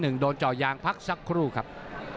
หนึ่งโดนเจายางพักสักครู่ครับ